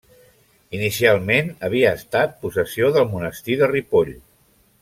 Inicialment havia estat possessió del monestir de Ripoll.